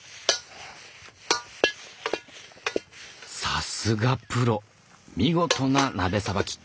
さすがプロ見事な鍋さばき。